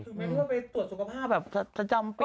คือไม่รู้ว่าไปตรวจสุขภาพแบบประจำ